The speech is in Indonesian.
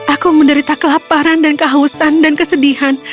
aku menderita kelaparan dan kehausan dan kesedihan